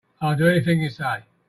I'll do anything you say.